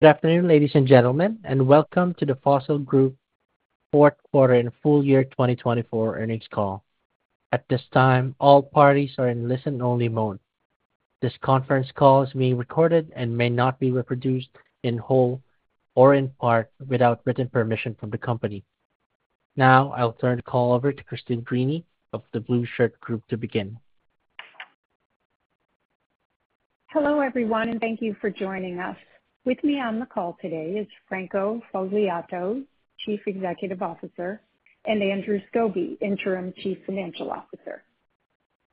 Good afternoon, ladies and gentlemen, and welcome to the Fossil Group fourth quarter and full year 2024 earnings call. At this time, all parties are in listen-only mode. This conference call is being recorded and may not be reproduced in whole or in part without written permission from the company. Now, I'll turn the call over to Christine Greany of the Blue Shirt Group to begin. Hello, everyone, and thank you for joining us. With me on the call today is Franco Fogliato, Chief Executive Officer, and Andrew Skobe, Interim Chief Financial Officer.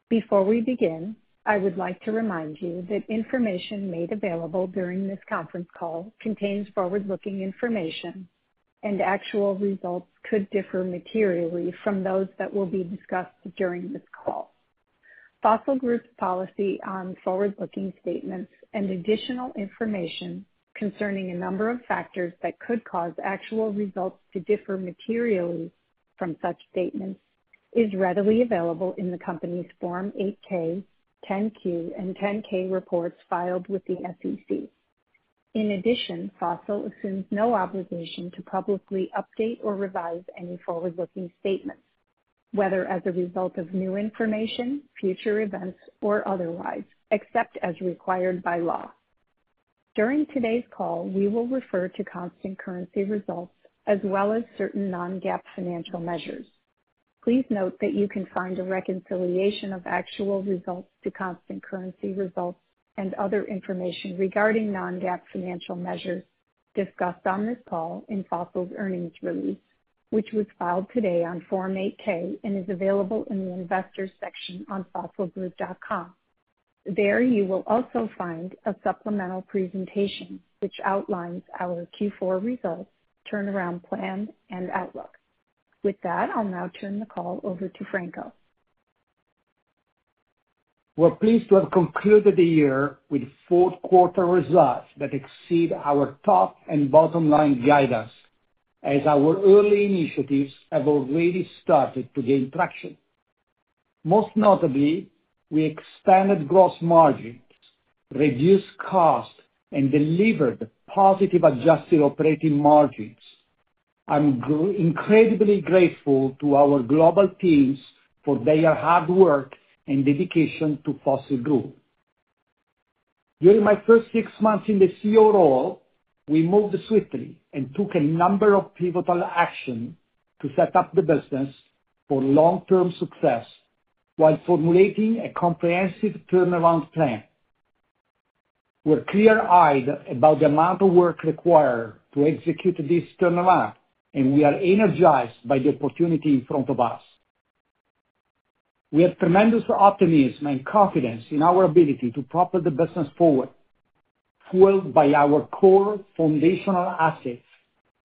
Before we begin, I would like to remind you that information made available during this conference call contains forward-looking information, and actual results could differ materially from those that will be discussed during this call. Fossil Group's policy on forward-looking statements and additional information concerning a number of factors that could cause actual results to differ materially from such statements is readily available in the company's Form 8-K, 10-Q, and 10-K reports filed with the SEC. In addition, Fossil assumes no obligation to publicly update or revise any forward-looking statements, whether as a result of new information, future events, or otherwise, except as required by law. During today's call, we will refer to constant currency results as well as certain non-GAAP financial measures. Please note that you can find a reconciliation of actual results to constant currency results and other information regarding non-GAAP financial measures discussed on this call in Fossil's earnings release, which was filed today on Form 8K and is available in the Investor section on fossilgroup.com. There, you will also find a supplemental presentation which outlines our Q4 results, turnaround plan, and outlook. With that, I'll now turn the call over to Franco. We're pleased to have concluded the year with fourth-quarter results that exceed our top and bottom-line guidance, as our early initiatives have already started to gain traction. Most notably, we expanded gross margins, reduced costs, and delivered positive adjusted operating margins. I'm incredibly grateful to our global teams for their hard work and dedication to Fossil Group. During my first six months in the CEO role, we moved swiftly and took a number of pivotal actions to set up the business for long-term success while formulating a comprehensive turnaround plan. We're clear-eyed about the amount of work required to execute this turnaround, and we are energized by the opportunity in front of us. We have tremendous optimism and confidence in our ability to propel the business forward, fueled by our core foundational assets: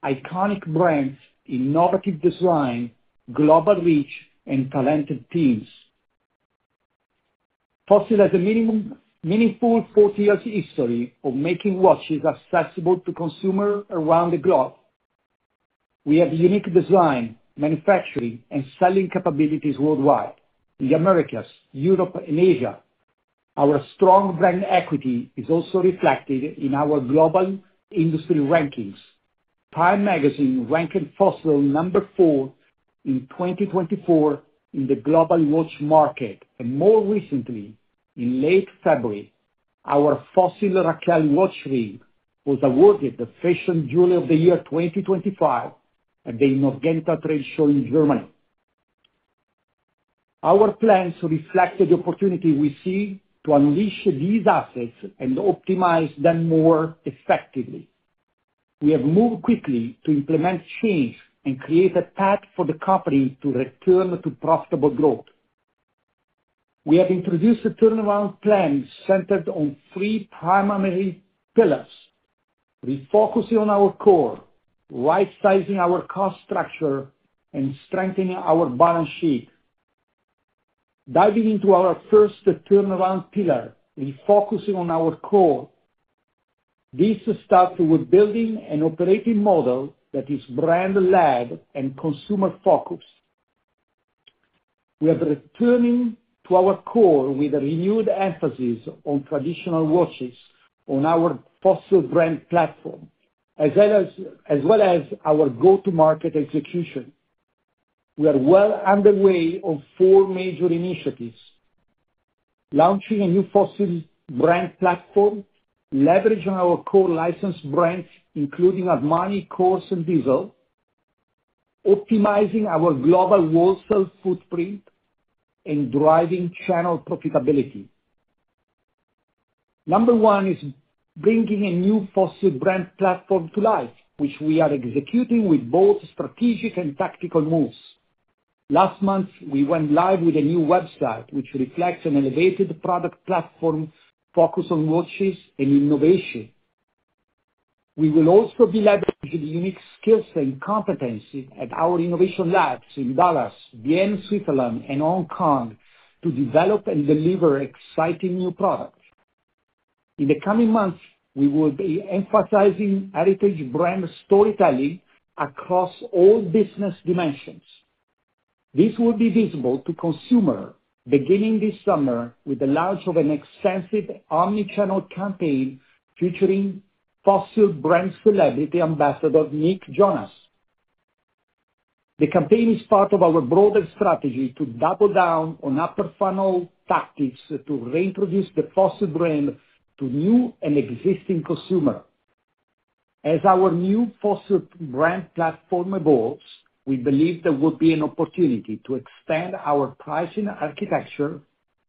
iconic brands, innovative design, global reach, and talented teams. Fossil has a meaningful 40-year history of making watches accessible to consumers around the globe. We have unique design, manufacturing, and selling capabilities worldwide, in the Americas, Europe, and Asia. Our strong brand equity is also reflected in our global industry rankings. Time Magazine ranked Fossil number four in 2024 in the global watch market, and more recently, in late February, our Fossil Raquel Watch Ring was awarded the Fashion Jewelry of the Year 2025 at the Inhorgenta trade show in Germany. Our plans reflect the opportunity we see to unleash these assets and optimize them more effectively. We have moved quickly to implement change and create a path for the company to return to profitable growth. We have introduced a turnaround plan centered on three primary pillars. We're focusing on our core, right-sizing our cost structure, and strengthening our balance sheet. Diving into our first turnaround pillar, we're focusing on our core. This starts with building an operating model that is brand-led and consumer-focused. We are returning to our core with a renewed emphasis on traditional watches on our Fossil brand platform, as well as our go-to-market execution. We are well underway on four major initiatives: launching a new Fossil brand platform, leveraging our core licensed brands, including Armani, Coach, and Diesel, optimizing our global wholesale footprint, and driving channel profitability. Number one is bringing a new Fossil brand platform to life, which we are executing with both strategic and tactical moves. Last month, we went live with a new website which reflects an elevated product platform focused on watches and innovation. We will also be leveraging unique skills and competencies at our innovation labs in Dallas, Vienna, Switzerland, and Hong Kong to develop and deliver exciting new products. In the coming months, we will be emphasizing heritage brand storytelling across all business dimensions. This will be visible to consumers beginning this summer with the launch of an extensive omnichannel campaign featuring Fossil brand celebrity ambassador Nick Jonas. The campaign is part of our broader strategy to double down on upper-funnel tactics to reintroduce the Fossil brand to new and existing consumers. As our new Fossil brand platform evolves, we believe there will be an opportunity to expand our pricing architecture,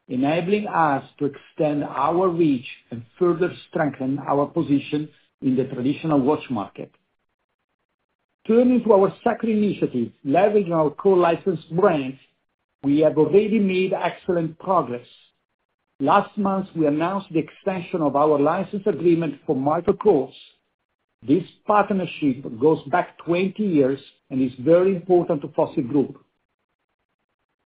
enabling us to extend our reach and further strengthen our position in the traditional watch market. Turning to our second initiative, leveraging our core licensed brands, we have already made excellent progress. Last month, we announced the extension of our license agreement for Michael Kors. This partnership goes back 20 years and is very important to Fossil Group.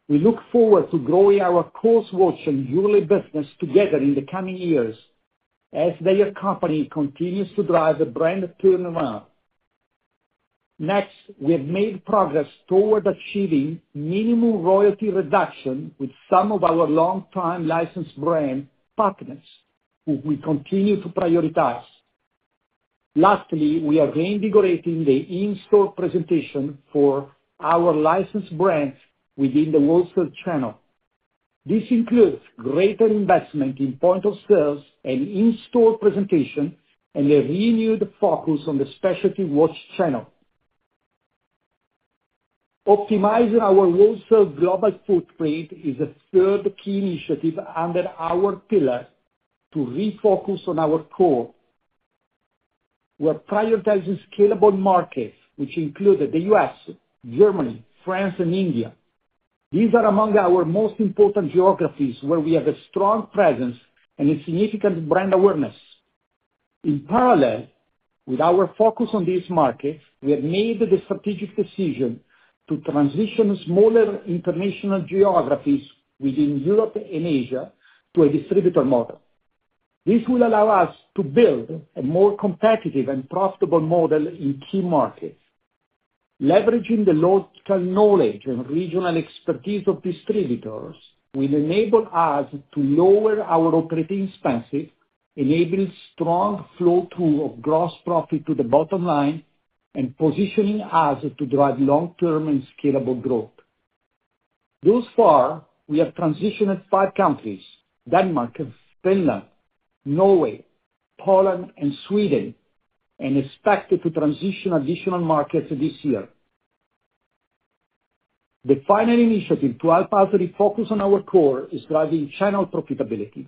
We look forward to growing our Kors watch and jewelry business together in the coming years as their company continues to drive the brand turnaround. Next, we have made progress toward achieving minimum royalty reduction with some of our long-time licensed brand partners, who we continue to prioritize. Lastly, we are reinvigorating the in-store presentation for our licensed brands within the wholesale channel. This includes greater investment in point of sale and in-store presentation and a renewed focus on the specialty watch channel. Optimizing our wholesale global footprint is a third key initiative under our pillar to refocus on our core. We're prioritizing scalable markets, which include the U.S., Germany, France, and India. These are among our most important geographies where we have a strong presence and a significant brand awareness. In parallel with our focus on these markets, we have made the strategic decision to transition smaller international geographies within Europe and Asia to a distributor model. This will allow us to build a more competitive and profitable model in key markets. Leveraging the local knowledge and regional expertise of distributors will enable us to lower our operating expenses, enable strong flow-through of gross profit to the bottom line, and position us to drive long-term and scalable growth. Thus far, we have transitioned five countries: Denmark, Finland, Norway, Poland, and Sweden, and expect to transition additional markets this year. The final initiative to help us refocus on our core is driving channel profitability.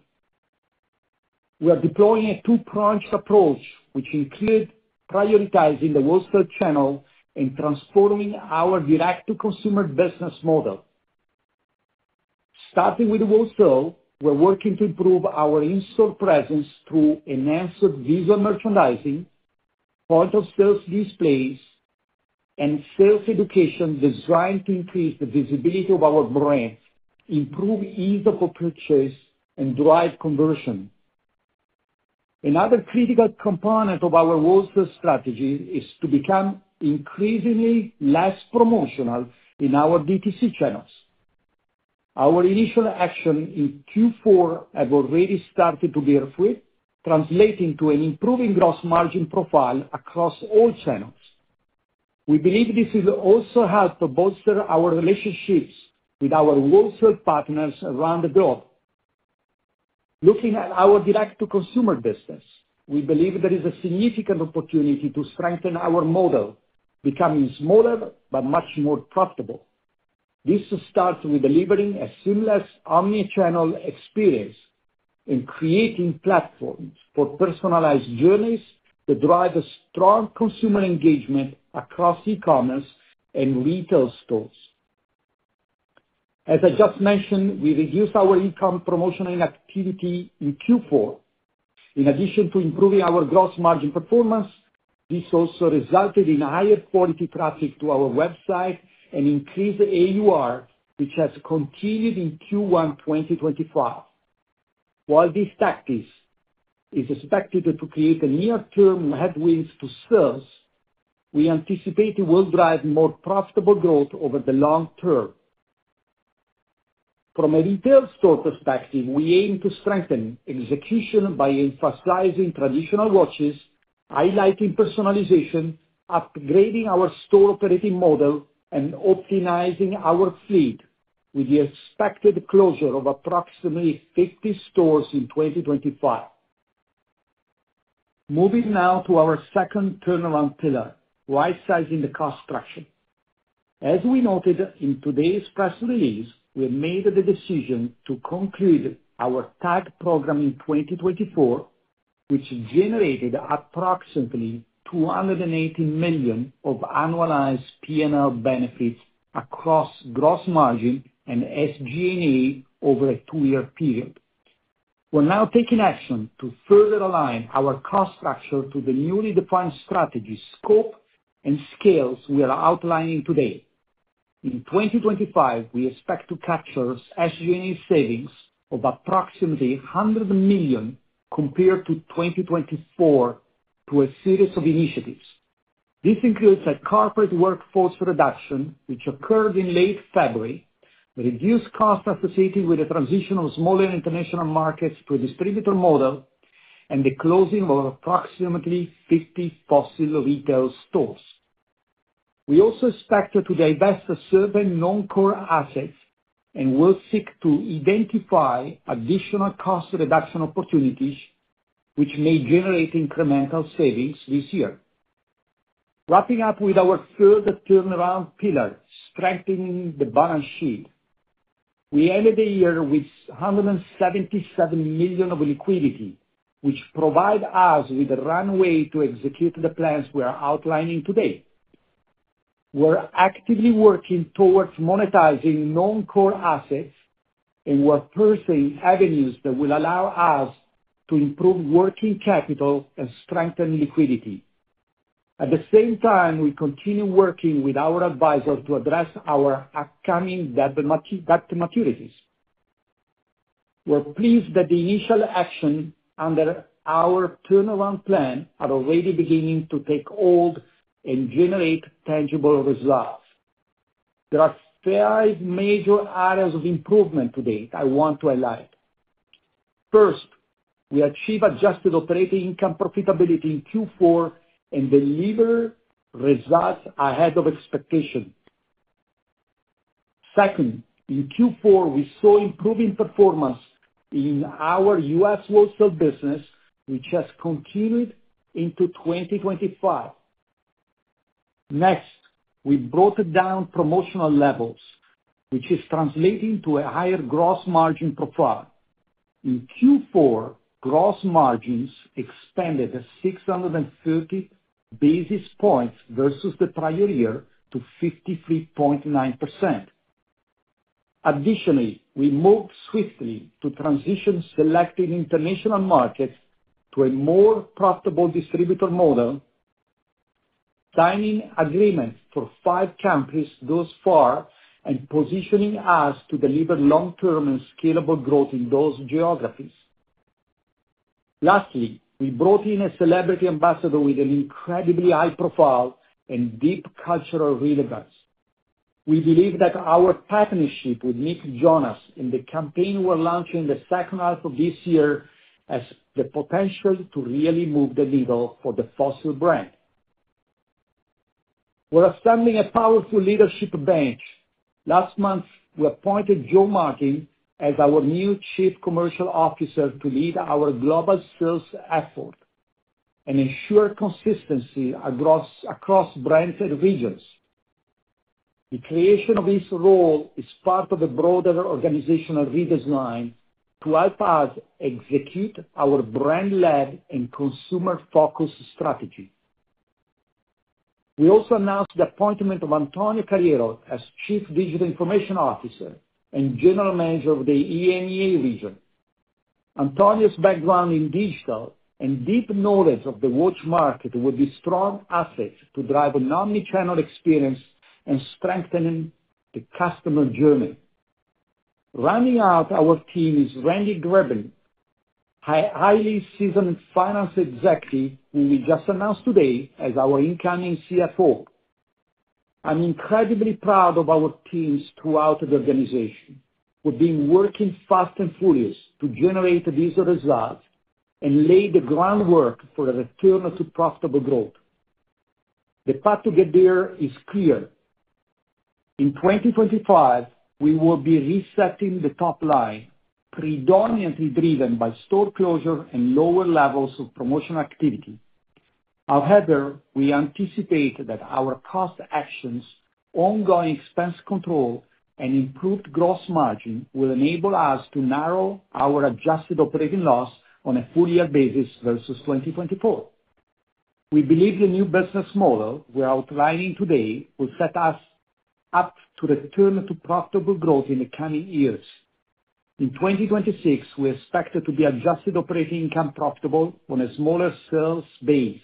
We are deploying a two-pronged approach, which includes prioritizing the wholesale channel and transforming our direct-to-consumer business model. Starting with wholesale, we're working to improve our in-store presence through enhanced visual merchandising, point-of-sales displays, and sales education designed to increase the visibility of our brand, improve ease of purchase, and drive conversion. Another critical component of our wholesale strategy is to become increasingly less promotional in our DTC channels. Our initial action in Q4 has already started to bear fruit, translating to an improving gross margin profile across all channels. We believe this will also help to bolster our relationships with our wholesale partners around the globe. Looking at our direct-to-consumer business, we believe there is a significant opportunity to strengthen our model, becoming smaller but much more profitable. This starts with delivering a seamless omnichannel experience and creating platforms for personalized journeys that drive strong consumer engagement across e-commerce and retail stores. As I just mentioned, we reduced our in-channel promotion and activity in Q4. In addition to improving our gross margin performance, this also resulted in higher quality traffic to our website and increased AUR, which has continued in Q1 2025. While these tactics are expected to create near-term headwinds to sales, we anticipate it will drive more profitable growth over the long term. From a retail store perspective, we aim to strengthen execution by emphasizing traditional watches, highlighting personalization, upgrading our store operating model, and optimizing our fleet, with the expected closure of approximately 50 stores in 2025. Moving now to our second turnaround pillar, right-sizing the cost structure. As we noted in today's press release, we have made the decision to conclude our TAG program in 2024, which generated approximately $280 million of annualized P&L benefits across gross margin and SG&A over a two-year period. We're now taking action to further align our cost structure to the newly defined strategies, scope, and scales we are outlining today. In 2025, we expect to capture SG&A savings of approximately $100 million compared to 2024 through a series of initiatives. This includes a corporate workforce reduction, which occurred in late February, reduced costs associated with the transition of smaller international markets to a distributor model, and the closing of approximately 50 Fossil retail stores. We also expect to divest certain non-core assets and will seek to identify additional cost reduction opportunities, which may generate incremental savings this year. Wrapping up with our third turnaround pillar, strengthening the balance sheet. We ended the year with $177 million of liquidity, which provides us with a runway to execute the plans we are outlining today. We're actively working towards monetizing non-core assets and we're pursuing avenues that will allow us to improve working capital and strengthen liquidity. At the same time, we continue working with our advisor to address our upcoming debt maturities. We're pleased that the initial actions under our turnaround plan are already beginning to take hold and generate tangible results. There are five major areas of improvement today I want to highlight. First, we achieved adjusted operating income profitability in Q4 and delivered results ahead of expectation. Second, in Q4, we saw improving performance in our U.S. wholesale business, which has continued into 2025. Next, we brought down promotional levels, which is translating to a higher gross margin profile. In Q4, gross margins expanded 630 basis points versus the prior year to 53.9%. Additionally, we moved swiftly to transition selected international markets to a more profitable distributor model, signing agreements for five countries thus far and positioning us to deliver long-term and scalable growth in those geographies. Lastly, we brought in a celebrity ambassador with an incredibly high profile and deep cultural relevance. We believe that our partnership with Nick Jonas and the campaign we're launching in the second half of this year has the potential to really move the needle for the Fossil brand. We're assembling a powerful leadership bench. Last month, we appointed Joe Martin as our new Chief Commercial Officer to lead our global sales effort and ensure consistency across branded regions. The creation of this role is part of a broader organizational redesign to help us execute our brand-led and consumer-focused strategy. We also announced the appointment of Antonio Carriero as Chief Digital Information Officer and General Manager of the EMEA region. Antonio's background in digital and deep knowledge of the watch market will be strong assets to drive an omnichannel experience and strengthen the customer journey. Rounding out our team is Randy Greben, a highly seasoned finance executive who we just announced today as our incoming CFO. I'm incredibly proud of our teams throughout the organization. We've been working fast and furious to generate these results and lay the groundwork for a return to profitable growth. The path to get there is clear. In 2025, we will be resetting the top line, predominantly driven by store closure and lower levels of promotional activity. However, we anticipate that our cost actions, ongoing expense control, and improved gross margin will enable us to narrow our adjusted operating loss on a full-year basis versus 2024. We believe the new business model we're outlining today will set us up to return to profitable growth in the coming years. In 2026, we expect it to be adjusted operating income profitable on a smaller sales base.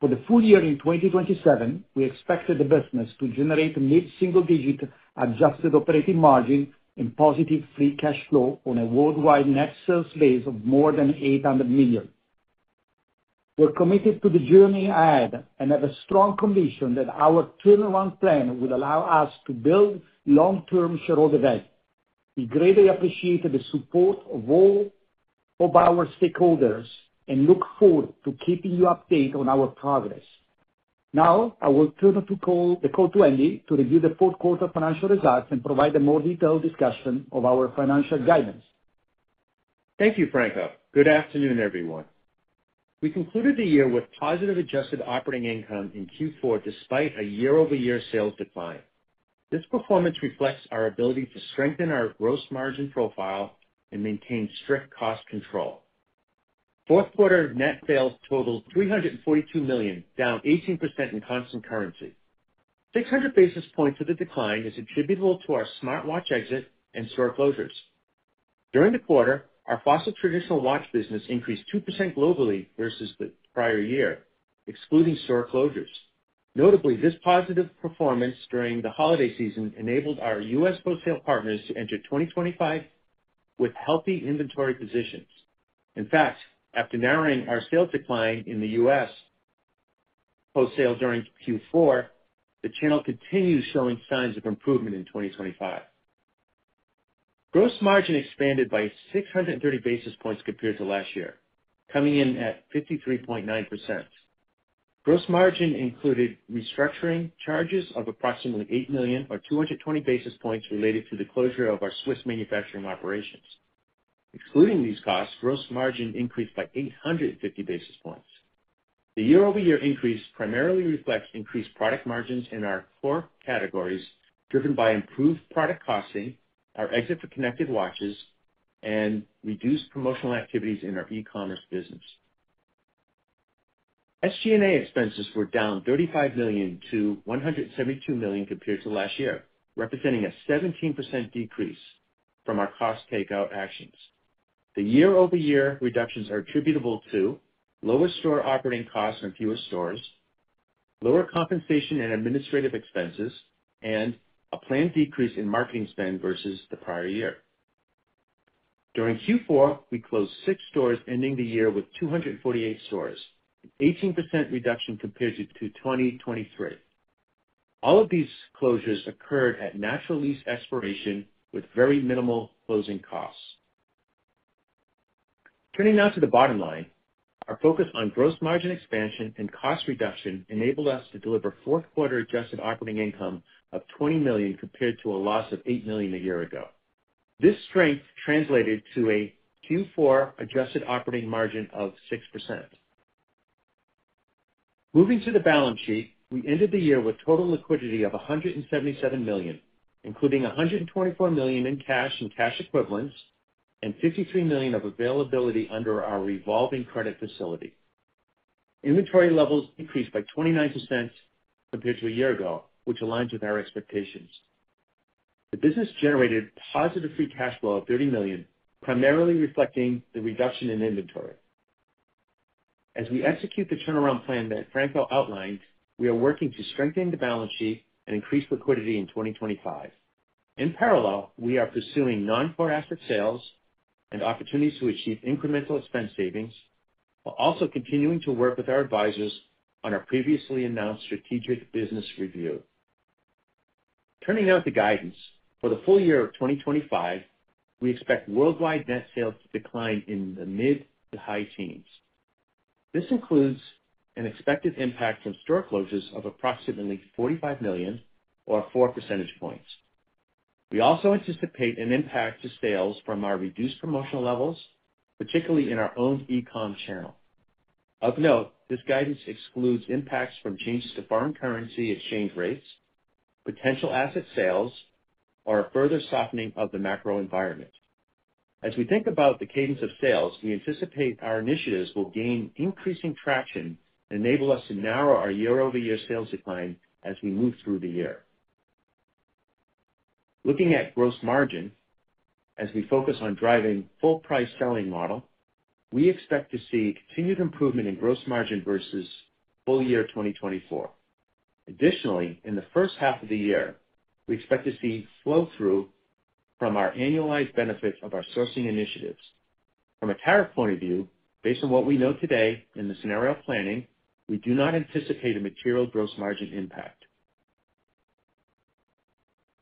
For the full year in 2027, we expect the business to generate a mid-single-digit adjusted operating margin and positive free cash flow on a worldwide net sales base of more than $800 million. We're committed to the journey ahead and have a strong conviction that our turnaround plan will allow us to build long-term shareholder value. We greatly appreciate the support of all of our stakeholders and look forward to keeping you updated on our progress. Now, I will turn the call to Andy to review the fourth quarter financial results and provide a more detailed discussion of our financial guidance. Thank you, Franco. Good afternoon, everyone. We concluded the year with positive adjusted operating income in Q4 despite a year-over-year sales decline. This performance reflects our ability to strengthen our gross margin profile and maintain strict cost control. Fourth quarter net sales totaled $342 million, down 18% in constant currency. 600 basis points of the decline is attributable to our smartwatch exit and store closures. During the quarter, our Fossil traditional watch business increased 2% globally versus the prior year, excluding store closures. Notably, this positive performance during the holiday season enabled our U.S. wholesale partners to enter 2025 with healthy inventory positions. In fact, after narrowing our sales decline in the U.S. wholesale during Q4, the channel continues showing signs of improvement in 2025. Gross margin expanded by 630 basis points compared to last year, coming in at 53.9%. Gross margin included restructuring charges of approximately $8 million or 220 basis points related to the closure of our Swiss manufacturing operations. Excluding these costs, gross margin increased by 850 basis points. The year-over-year increase primarily reflects increased product margins in our core categories driven by improved product costing, our exit for connected watches, and reduced promotional activities in our e-commerce business. SG&A expenses were down $35 million to $172 million compared to last year, representing a 17% decrease from our cost takeout actions. The year-over-year reductions are attributable to lower store operating costs on fewer stores, lower compensation and administrative expenses, and a planned decrease in marketing spend versus the prior year. During Q4, we closed six stores, ending the year with 248 stores, an 18% reduction compared to 2023. All of these closures occurred at natural lease expiration with very minimal closing costs. Turning now to the bottom line, our focus on gross margin expansion and cost reduction enabled us to deliver fourth quarter adjusted operating income of $20 million compared to a loss of $8 million a year ago. This strength translated to a Q4 adjusted operating margin of 6%. Moving to the balance sheet, we ended the year with total liquidity of $177 million, including $124 million in cash and cash equivalents and $53 million of availability under our revolving credit facility. Inventory levels increased by 29% compared to a year ago, which aligns with our expectations. The business generated positive free cash flow of $30 million, primarily reflecting the reduction in inventory. As we execute the turnaround plan that Franco outlined, we are working to strengthen the balance sheet and increase liquidity in 2025. In parallel, we are pursuing non-core asset sales and opportunities to achieve incremental expense savings while also continuing to work with our advisors on our previously announced strategic business review. Turning now to guidance, for the full year of 2025, we expect worldwide net sales to decline in the mid to high teens. This includes an expected impact from store closures of approximately $45 million or 4 percentage points. We also anticipate an impact to sales from our reduced promotional levels, particularly in our own e-com channel. Of note, this guidance excludes impacts from changes to foreign currency exchange rates, potential asset sales, or a further softening of the macro environment. As we think about the cadence of sales, we anticipate our initiatives will gain increasing traction and enable us to narrow our year-over-year sales decline as we move through the year. Looking at gross margin, as we focus on driving a full-price selling model, we expect to see continued improvement in gross margin versus full year 2024. Additionally, in the first half of the year, we expect to see flow-through from our annualized benefits of our sourcing initiatives. From a tariff point of view, based on what we know today in the scenario planning, we do not anticipate a material gross margin impact.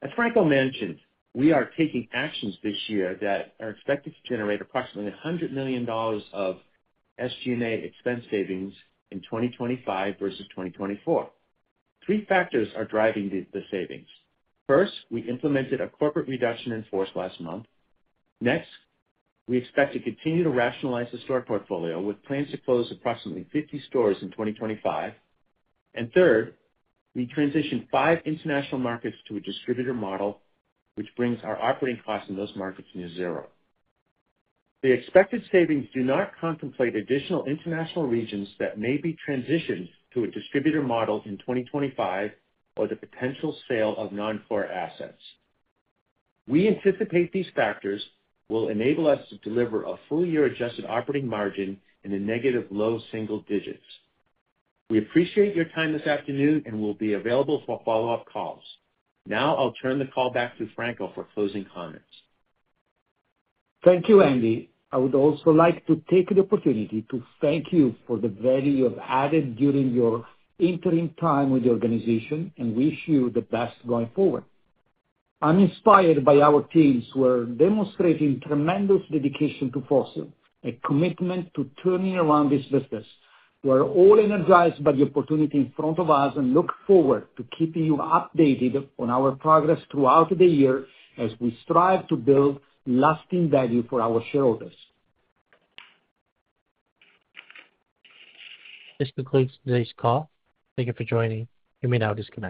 As Franco mentioned, we are taking actions this year that are expected to generate approximately $100 million of SG&A expense savings in 2025 versus 2024. Three factors are driving the savings. First, we implemented a corporate reduction in force last month. Next, we expect to continue to rationalize the store portfolio with plans to close approximately 50 stores in 2025. Third, we transitioned five international markets to a distributor model, which brings our operating costs in those markets near zero. The expected savings do not contemplate additional international regions that may be transitioned to a distributor model in 2025 or the potential sale of non-core assets. We anticipate these factors will enable us to deliver a full-year adjusted operating margin in the negative low single digits. We appreciate your time this afternoon and will be available for follow-up calls. Now, I'll turn the call back to Franco for closing comments. Thank you, Andy. I would also like to take the opportunity to thank you for the value you have added during your interim time with the organization and wish you the best going forward. I'm inspired by our teams who are demonstrating tremendous dedication to Fossil, a commitment to turning around this business. We're all energized by the opportunity in front of us and look forward to keeping you updated on our progress throughout the year as we strive to build lasting value for our shareholders. This concludes today's call. Thank you for joining. You may now disconnect.